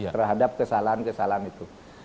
terhadap kesalahan kesalahan itu